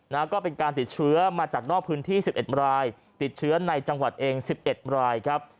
แล้วก็เป็นการติดเชื้อมาจากนอกพื้นที่๑๑รายติดเชื้อในจังหวัดเอง๑๑รายครับ